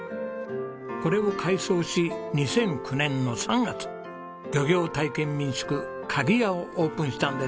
これを改装し２００９年の３月漁業体験民宿鍵屋をオープンしたんです。